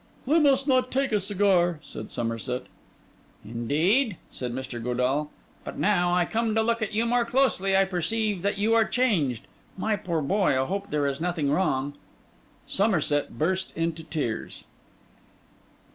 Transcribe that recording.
'I must not take a cigar,' said Somerset. 'Indeed!' said Mr. Godall. 'But now I come to look at you more closely, I perceive that you are changed. My poor boy, I hope there is nothing wrong?' Somerset burst into tears.